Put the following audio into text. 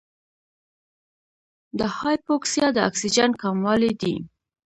د هایپوکسیا د اکسیجن کموالی دی.